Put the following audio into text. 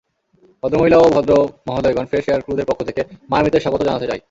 ভদ্রমহিলা ও ভদ্রমহোদয়গণ, ফ্রেশ এয়ার ক্রুদের পক্ষ থেকে, মায়ামিতে স্বাগত জানাতে চাই।